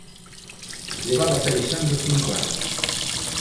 Levaba pelexando cinco anos.